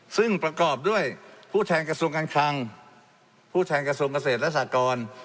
ซึ่งประกอบด้วยผู้แทนกระทรวงการคลังผู้แทนกระทรวงเกษตรและสากร